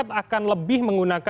apakah ini maka